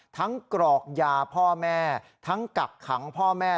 กรอกยาพ่อแม่ทั้งกักขังพ่อแม่